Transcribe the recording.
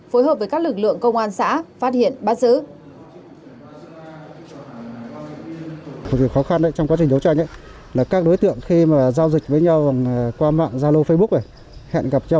phối hợp với các lực lượng công an xã phát hiện bắt giữ